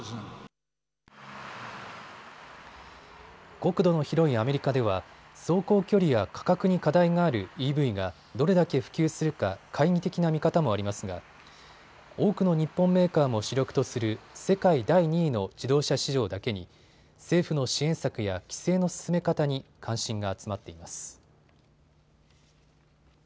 国土の広いアメリカでは走行距離や価格に課題があるＥＶがどれだけ普及するか懐疑的な見方もありますが多くの日本メーカーも主力とする世界第２位の自動車市場だけに政府の支援策や規制の進め方に関心が集まっています。